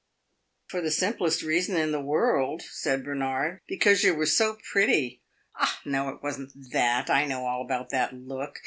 "For the simplest reason in the world," said Bernard. "Because you were so pretty." "Ah no, it was n't that! I know all about that look.